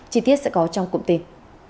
chi tiết sẽ có trong cụm tin